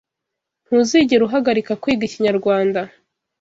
ntuzigera uhagarika kwiga ikinyarwanda